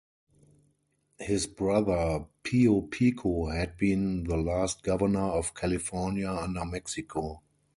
His brother Pio Pico had been the last governor of California under Mexico.